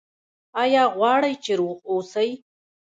ایا غواړئ چې روغ اوسئ؟